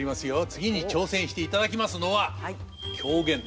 次に挑戦していただきますのは狂言です。